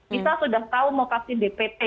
misal sudah tahu mau vaksin dpt